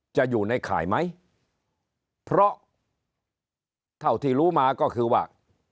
จะอยู่ในข่ายไหมเพราะเท่าที่รู้มาก็คือว่า